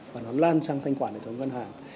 và nó lan sang thanh quản hệ thống ngân hàng